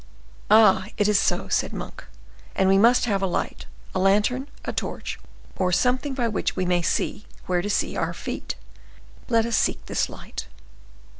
"As it is so," said Monk, "and we must have a light, a lantern, a torch, or something by which we may see where to see our feet; let us seek this light."